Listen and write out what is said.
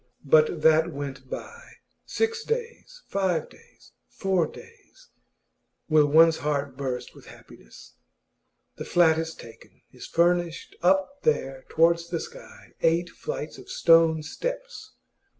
But that went by. Six days, five days, four days will one's heart burst with happiness? The flat is taken, is furnished, up there towards the sky, eight flights of stone steps.